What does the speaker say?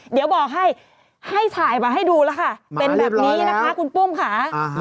เดี๋ยวบอกให้ให้ถ่ายมาให้ดูล่ะค่ะ